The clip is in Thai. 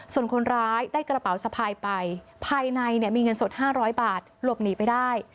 ส่วนคนร้ายได้กระเป๋าสะพายไปภายในเนี่ยมีเงินสด๕๐๐บาทหลบหนีไปได้